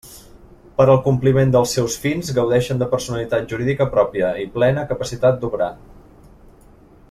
Per al compliment dels seus fins gaudixen de personalitat jurídica pròpia i plena capacitat d'obrar.